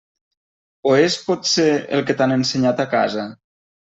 O és, potser, el que t'han ensenyat a casa?